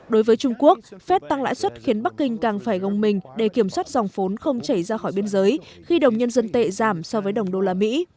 đối với trung quốc fed tăng lãi suất khiến bắc kinh càng phải gồng mình để kiểm soát dòng phốn không chảy ra khỏi biên giới khi đồng nhân dân tệ giảm so với đồng đô la mỹ